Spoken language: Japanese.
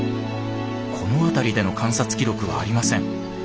この辺りでの観察記録はありません。